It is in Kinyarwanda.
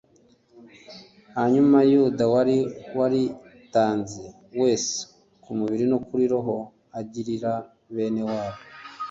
hanyuma, yuda wari waritanze wese ku mubiri no kuri roho agirira bene wabo